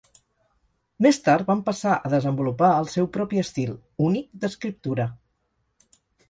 Més tard van passar a desenvolupar el seu propi estil, únic, d'escriptura.